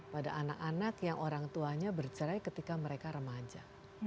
pada anak anak yang orang tuanya bercerai ketika mereka remaja